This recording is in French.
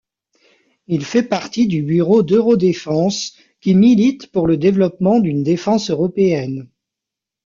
Il fait partie du bureau d'EuroDéfense, qui milite pour le développement d'une défense européenne.